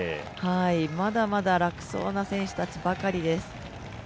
まだまだ楽そうな選手たちばかりです。